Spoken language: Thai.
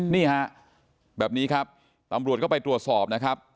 นี่ฮะแบบนี้ครับตำรวจก็ไปตรวจสอบนะครับ